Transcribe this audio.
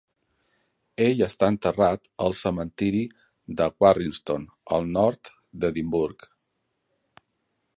Ell està enterrat al cementiri de Warriston al nord d'Edimburg.